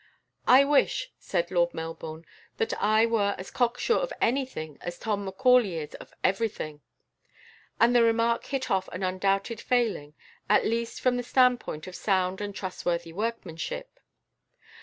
"I wish," said Lord Melbourne, "that I were as cock sure of anything as Tom Macaulay is of everything;" and the remark hit off an undoubted failing, at least from the standpoint of sound and trustworthy workmanship.